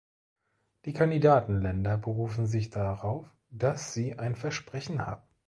Die Kandidatenländer berufen sich darauf, dass sie ein Versprechen haben.